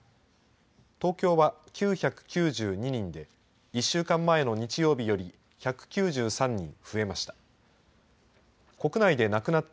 東京は９９２人で１週間前の日曜日より１９３人増えました。